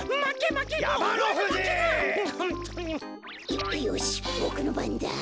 よよしボクのばんだ。